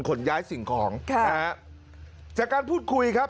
ขนย้ายสิ่งของค่ะนะฮะจากการพูดคุยครับ